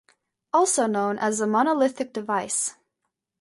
Also known as a monolithic device.